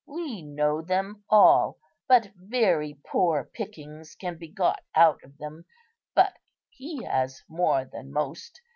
We know them all, but very poor pickings can be got out of them; but he has more than most.